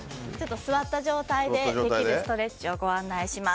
座った状態でできるストレッチをご案内します。